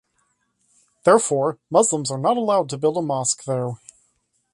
Therefore, Muslims are not allowed to build a mosque there.